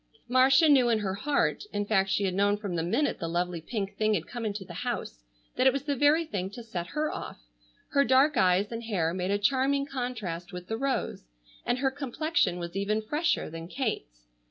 Marcia knew in her heart, in fact she had known from the minute the lovely pink thing had come into the house, that it was the very thing to set her off. Her dark eyes and hair made a charming contrast with the rose, and her complexion was even fresher than Kate's.